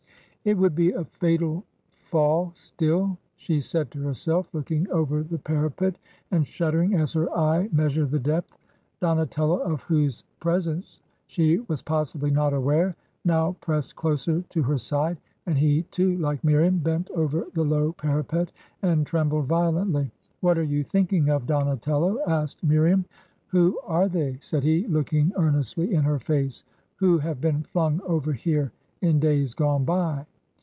'"It would be a fatal faU, still,' she said to herself, looking over the parapet, and shuddering as her eye measured the depth. ... DonateUo, of whose pres ence she was possibly not aware, now pressed closer to her side; and he, too, like Miriam, bent over the low parapet and trembled violently. ... 'What are you thinking of, Donatello?' asked Miriam. 'Who are they/ said he, looking earnestly in her face, 'who have been flung over here in days gone by?'